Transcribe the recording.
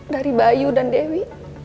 dari bayu dan dewi